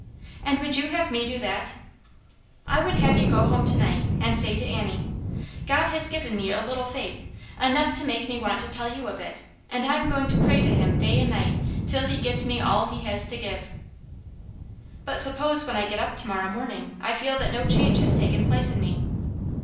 Aud would you have mo do tliat?" 2o3 Auit Jane's Hero. " I would have you go home to night and say to Annie, ' God has given me a little faith, enough to make me want to tell you of it, and I am going to pray to Him day and night till He gives me all He has to give.' "" But suppose when I get up to morrow morning, I feel that no change has taken place in me